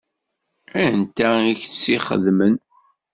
Anta i k-tt-ixedmen?